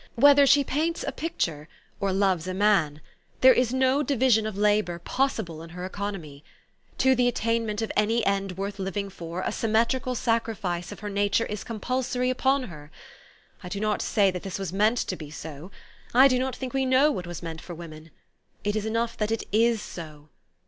Whether she paints a picture, or loves a man, there is no division of labor possible in her economy. To the attainment of any end worth living for, a symmetrical sacrifice of her nature is compulsory upon her. I do not say that this was meant to be so. I do not think we know what was meant for women. It is enough that it is so.